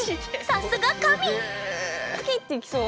さすが神！